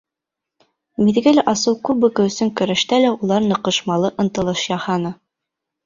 Миҙгел асыу кубогы өсөн көрәштә лә улар ныҡышмалы ынтылыш яһаны.